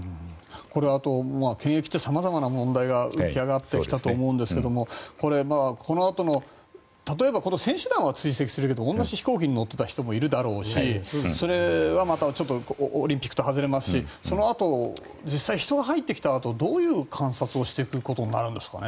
あと検疫で様々な問題が浮き上がってきたと思うんですがこのあとの例えば選手団は追跡するけれど同じ飛行機に乗っていた人もいるだろうしそれはまたオリンピックと外れますしそのあと実際人が入ってきたあとどういう観察をしていくことになるんですかね。